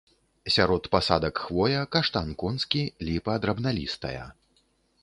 Сярод пасадак хвоя, каштан конскі, ліпа драбналістая.